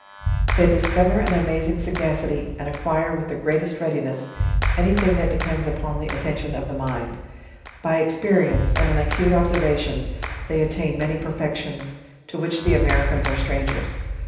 They discover an amazing sagacity, and acquire with the greatest readiness, any thing that depends upon the atten t'on of the mind. By experience, and an acute observation, they attain many perfections, to which the Americans are strangers.